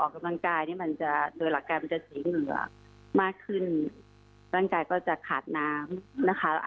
กำลังกายก็จะใส่เหงือมากขึ้นร่างกายจะขาดน้ำ